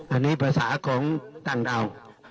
อันนี้ภาษาของต่างดาว